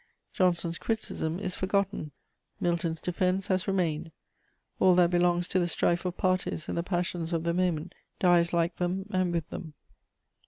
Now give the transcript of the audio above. Johnson's criticism is forgotten, Milton's defense has remained: all that belongs to the strife of parties and the passions of the moment dies like them and with them.